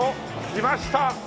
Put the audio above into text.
来ました！